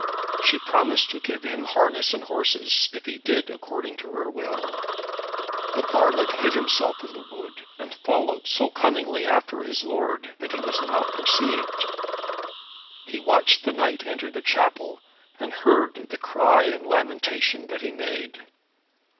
She promised to give him harness and horses, if he did according to her will. The varlet hid himself in the wood, and followed so cunningly after his lord, that he was not perceived. He watched the knight enter the chapel, and heard the cry and lamentation that he made.